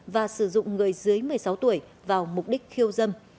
và sử dụng người dưới một mươi sáu tuổi vào mục đích khiêu dâm